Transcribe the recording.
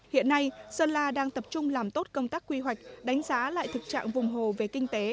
hiện nay sơn la đang tập trung làm tốt công tác quy hoạch đánh giá lại thực trạng vùng hồ về kinh tế